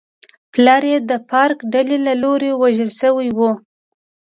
پلار یې د فارک ډلې له لوري وژل شوی و.